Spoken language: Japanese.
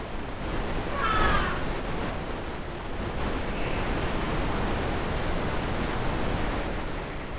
いやいやいや無理だろ。